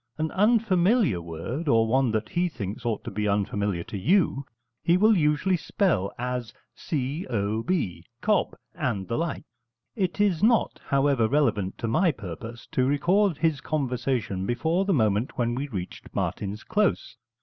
An unfamiliar word, or one that he thinks ought to be unfamiliar to you, he will usually spell as c o b cob, and the like. It is not, however, relevant to my purpose to record his conversation before the moment when we reached Martin's Close.